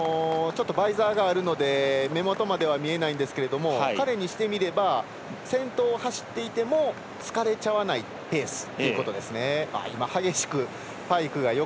バイザーがあるので目元までは見えないですけど彼にしてみれば先頭を走っていても疲れちゃわないペースですね。